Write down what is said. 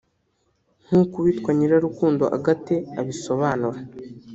nk’uko uwitwa Nyirarukundo Agathe abisobanura